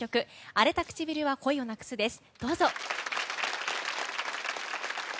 「荒れた唇は恋を失くす」です。